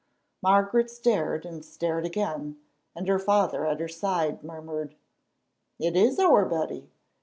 Margaret stared and stared again, and her father at her side murmured: "It is our Betty!